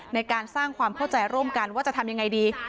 ในการสร้างความเข้าใจร่วมกันว่าจะทำยังไงดี